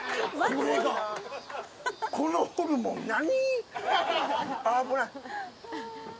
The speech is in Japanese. このホルモン何？